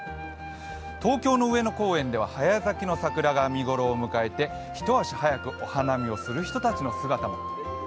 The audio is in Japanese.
東京の上野公園では早咲きの桜が見頃を迎えて一足早くお花見をする人たちの姿も。